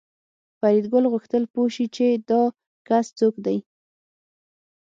فریدګل غوښتل پوه شي چې دا کس څوک دی